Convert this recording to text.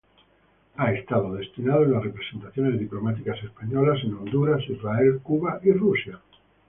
Ha estado destinado en las representaciones diplomáticas españolas en Honduras, Israel, Cuba y Rusia.